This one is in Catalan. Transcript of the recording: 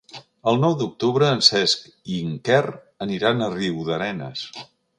El nou d'octubre en Cesc i en Quer aniran a Riudarenes.